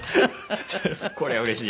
「こりゃうれしい」。